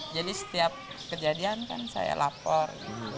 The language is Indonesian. jadi setiap kejadian kan saya lapor